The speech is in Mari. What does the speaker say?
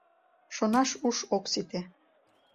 Шонаш уш ок сите...